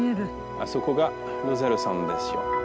あそこがロゼール山ですよ。